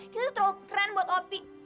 kita tuh terlalu keren buat opi